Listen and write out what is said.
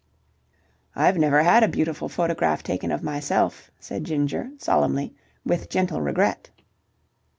"I've never had a beautiful photograph taken of myself," said Ginger, solemnly, with gentle regret.